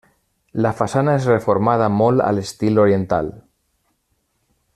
La façana és reformada molt a l'estil oriental.